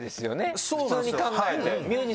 普通に考えて。